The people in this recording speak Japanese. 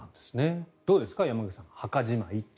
どうですか山口さん墓じまい。